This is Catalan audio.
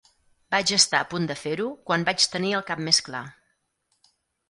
Vaig estar a punt de fer-ho quan vaig tenir el cap més clar.